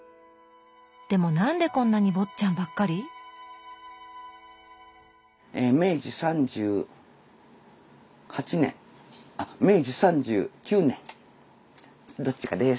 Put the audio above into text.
でもなんでこんなに「坊っちゃん」ばっかり？え明治３８年あっ明治３９年どっちかです。